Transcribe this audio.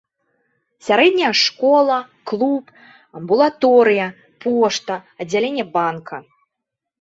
Сярэдняя школа, клуб, амбулаторыя, пошта, аддзяленне банка.